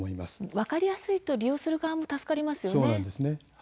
分かりやすいと利用する側も助かりますよね。